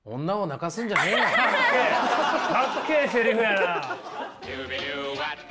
かっけえセリフやな！